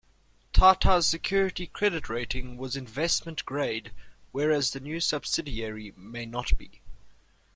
Tata's security credit rating was investment grade, whereas the new subsidiary may not be.